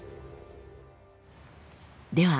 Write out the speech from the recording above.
では